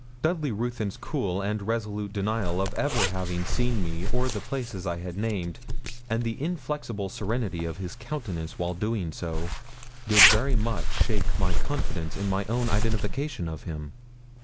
Dudley Ruthyn's cool and resolute denial of ever having seen me or the places I had named, and the inflexible serenity of his countenance while doing so, did very much shake my confidence in my own identification of him.